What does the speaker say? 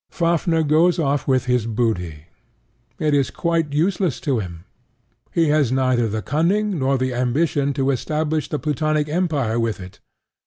Fafnir goes off with his booty. It is quite useless to him. He has neither the cunning nor the ambition to establish the Plutonic empire with it.